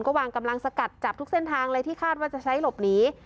ก็วางกำลังสกัดจับทุกเส้นทางเลยที่คาดว่าจะใช้หลบหนี